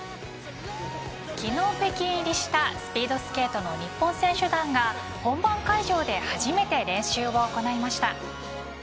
昨日北京入りしたスピードスケートの日本選手団が本番会場で初めて練習を行いました。